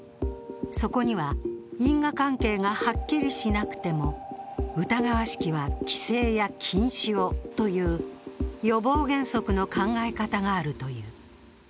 そこには因果関係がはっきりしなくても疑わしきは規制や禁止をという予防原則の考え方があるという。